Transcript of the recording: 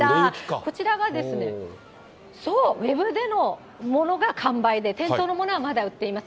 こちらは、そう、ウェブでのものが完売で、店頭のものはまだ売っています。